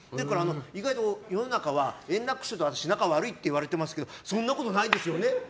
意外と世の中は円楽師匠と私仲悪いといわれてますけどそんなことないですよね？